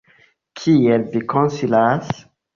Kiel vi konsilas?